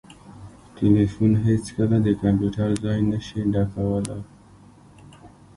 ټلیفون هیڅکله د کمپیوټر ځای نسي ډکولای